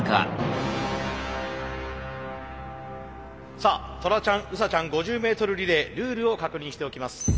さあトラちゃんウサちゃん５０ｍリレールールを確認しておきます。